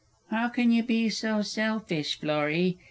How can you be so selfish, Florrie?